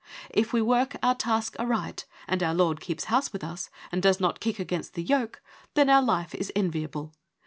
If we work our task aright, and our lord keeps house with us, and does not kick against the yoke, then our life is enviable.